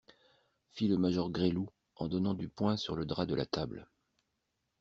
Fit le major Gresloup, en donnant du poing sur le drap de la table.